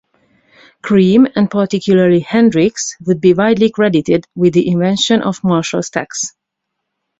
Cream, and particularly Hendrix, would be widely credited with the invention of Marshall Stacks.